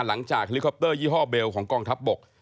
หลังจากเฮลิคอปเตอร์ยี่ห้อเบลของกองทัพบก